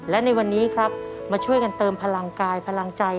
และในวันนี้ครับมาช่วยกันเติมพลังกายพลังใจ